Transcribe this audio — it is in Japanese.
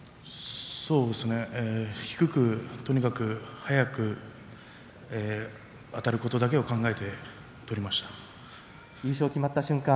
低くとにかく速くあたることだけを考えて優勝が決まった瞬間